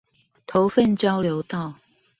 頭份交流道